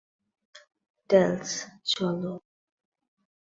Tales, চলো।